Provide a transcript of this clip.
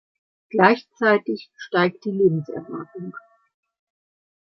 Gleichzeitig steigt die Lebenserwartung.